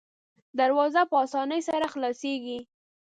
دروازه په اسانۍ سره خلاصیږي.